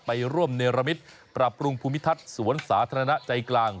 ไปร่วมเนรมิตปรับปรุงภูมิทัศน์สวนสาธารณะใจกลาง